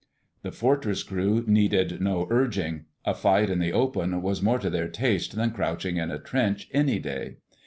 The Fortress crew needed no urging. A fight in the open was more to their taste than crouching in a trench, any day.